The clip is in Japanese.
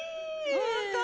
本当？